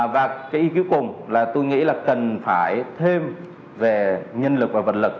và cái ý cuối cùng là tôi nghĩ là cần phải thêm về nhân lực và vật lực